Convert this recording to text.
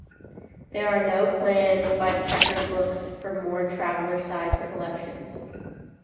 There are no plans by Checker Books for more traveler-sized collections.